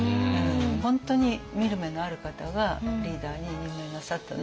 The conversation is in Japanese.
本当に見る目のある方がリーダーに任命なさったなと思いますね。